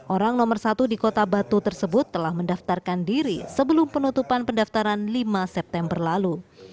orang nomor satu di kota batu tersebut telah mendaftarkan diri sebelum penutupan pendaftaran lima september lalu